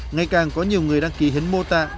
ngày càng có nhiều người đăng ký hiến mô tạng